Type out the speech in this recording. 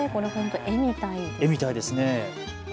絵みたいですね。